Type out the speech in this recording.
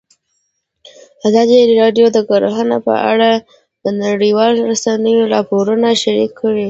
ازادي راډیو د کرهنه په اړه د نړیوالو رسنیو راپورونه شریک کړي.